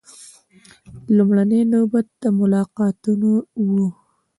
لومړۍ نوبت د ملاقاتونو و.